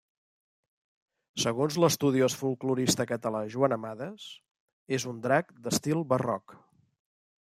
Segons l'estudiós folklorista català Joan Amades, és un drac d'estil barroc.